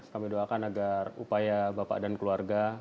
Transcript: kami doakan agar upaya bapak dan keluarga